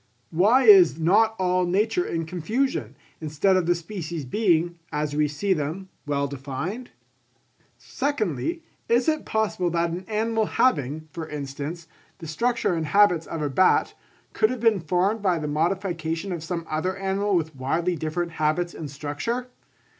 Why is not all nature in confusion, instead of the species being, as we see them, well defined? Secondly, is it possible that an animal having, for instance, the structure and habits of a bat, could have been formed by the modification of some other animal with widely different habits and structure?